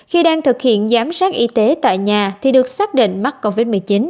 khi đang thực hiện giám sát y tế tại nhà thì được xác định mắc covid một mươi chín